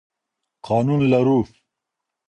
قانون لرو.